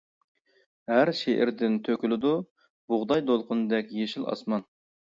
ھەر شېئىرىدىن تۆكۈلىدۇ، بۇغداي دولقۇنىدەك يېشىل ئاسمان.